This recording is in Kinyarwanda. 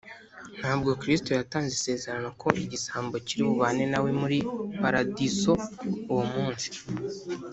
ntabwo kristo yatanze isezerano ko igisambo kiri bubane nawe muri paradiso uwo munsi